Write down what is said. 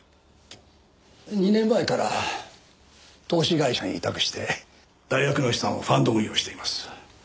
２年前から投資会社に委託して大学の資産をファンド運用しています。